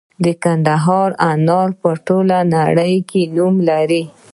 د کندهار انار په ټوله نړۍ کې نوم لري.